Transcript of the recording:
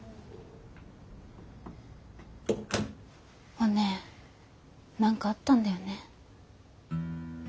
おねぇ何かあったんだよね。